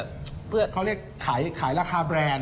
เขาเรียกขายราคาแบรนด์